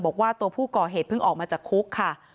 บอกว่าตัวผู้ก่อเหตุเพิ่งออกมาจากคุกค่ะ